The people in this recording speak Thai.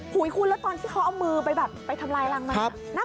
คุณแล้วตอนที่เขาเอามือไปแบบไปทำลายรังมัน